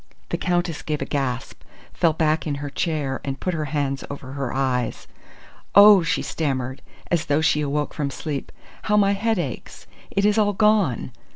The Countess gave a gasp, fell back in her chair, and put her hands over her eyes. "Oh!" she stammered, as though she awoke from sleep. "How my head aches! It is all gone!"